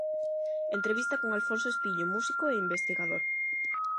Entrevista con Alfonso Espiño, músico e investigador.